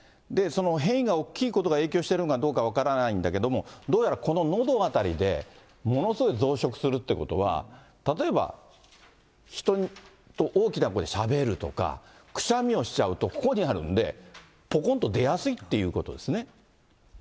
その変異が大きいことが影響してるのかどうか分からないんだけども、どうやらこののど辺りでものすごい増殖するっていうことは、例えば人と大きな声でしゃべるとか、くしゃみをしちゃうと、ここにあるんで、ぽこんと出やすいということですね。